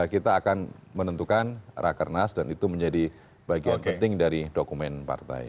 kita akan menentukan rakernas dan itu menjadi bagian penting dari dokumen partai